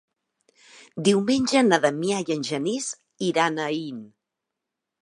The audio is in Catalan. Diumenge na Damià i en Genís iran a Aín.